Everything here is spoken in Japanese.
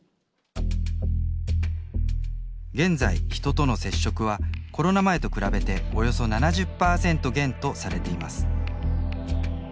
現在人との接触はコロナ前と比べておよそ７０％減とされています。